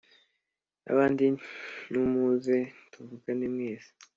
nabandi numuze tuvugane mwese